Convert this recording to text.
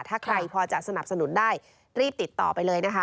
ถ้าใครพอจะสนับสนุนได้รีบติดต่อไปเลยนะคะ